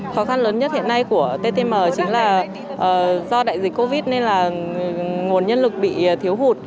khó khăn lớn nhất hiện nay của ttm chính là do đại dịch covid nên là nguồn nhân lực bị thiếu hụt